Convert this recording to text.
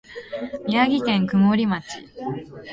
宮城県丸森町